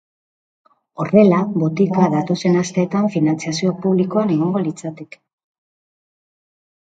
Horrela, botika datozen asteetan finantziazio publikoan egongo litzateke.